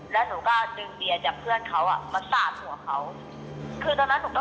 แล้วหนูก็ดึงเบียร์จากเพื่อนเขาอ่ะมาสาดหัวเขาคือตอนนั้นหนูก็